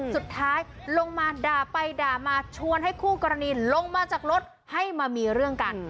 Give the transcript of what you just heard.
สุดท้ายลงมาด่าไปด่ามาชวนให้คู่กรณีลงมาจากรถให้มามีเรื่องกัน